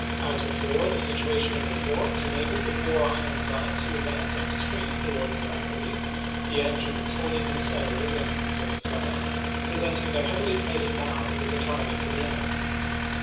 As before, the situation of the fort enabled the four ironclads to advance up stream towards the bat teries, the engines holding them steadily against the swift current, presenting their heavily plated bows as a target for the enemy.